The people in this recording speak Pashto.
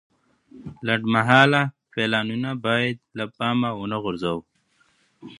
لنډمهاله پلانونه باید له پامه ونه غورځوو.